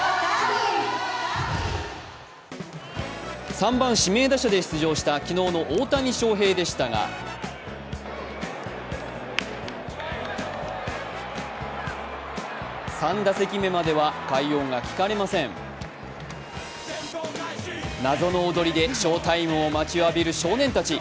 ３番・指名打者で出場した昨日の大谷翔平でしたが、３打席目までは快音が聞かれません謎の踊りで翔タイムを待ちわびる少年たち。